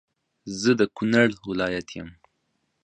زه د کونړ ولایت یم